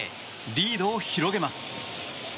リードを広げます。